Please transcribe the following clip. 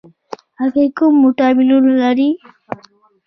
هګۍ کوم ویټامینونه لري؟